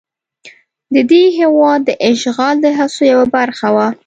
د دې هېواد د اشغال د هڅو یوه برخه وه.